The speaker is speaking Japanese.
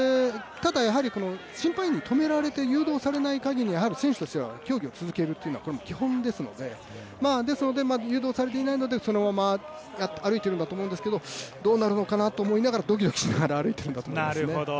ただ、やはり審判員に止められてしまっても選手としては競技を続けるというのが基本ですので誘導されていないので、そのまま歩いているんだと思うんですけどどうなるのかなと思いながらドキドキしながら歩いているんだと思いますね。